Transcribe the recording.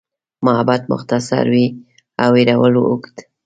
محبت مختصر وي او هېرول اوږد.